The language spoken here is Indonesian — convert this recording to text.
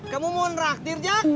kamu mau neraktir jak